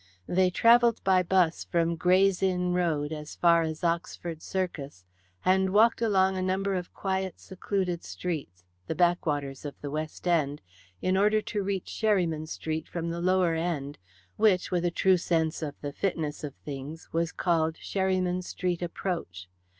They travelled by 'bus from Grays Inn Road as far as Oxford Circus, and walked along a number of quiet secluded streets the backwaters of the West End in order to reach Sherryman Street from the lower end, which, with a true sense of the fitness of things, was called Sherryman Street Approach.